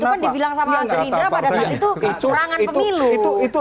itu kan dibilang sama andre indra pada saat itu perangan pemilu